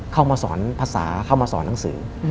เข้ามาสอนภาษาเข้ามาสอนหนังสือ